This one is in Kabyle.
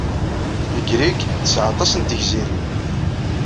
Legrig tesɛa aṭas n tegzirin.